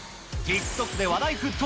ＴｉｋＴｏｋで話題沸騰。